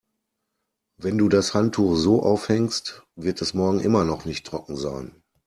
Wenn du das Handtuch so aufhängst, wird es morgen immer noch nicht trocken sein.